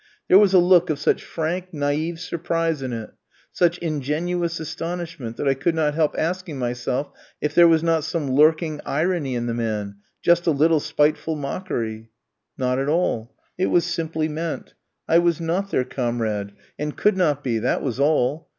There was a look of such frank, naïve surprise in it, such ingenuous astonishment that I could not help asking myself if there was not some lurking irony in the man, just a little spiteful mockery. Not at all, it was simply meant. I was not their comrade, and could not be; that was all.